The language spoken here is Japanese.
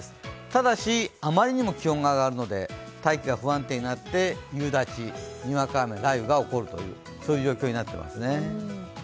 ただし、あまりにも気温が上がるので、大気が不安定になって夕立、にわか雨、雷雨が起こる状況になってますね。